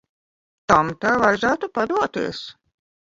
Tam tev vajadzētu padoties.